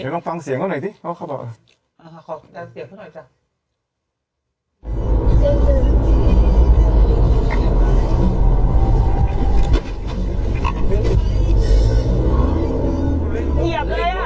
เดี๋ยวลองฟังเสียงเขาหน่อยสิเขาบอกอ่าค่ะขอเปลี่ยนเสียงเพื่อนหน่อยจ้ะ